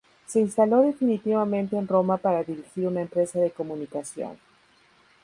Se instaló definitivamente en Roma para dirigir una empresa de comunicación.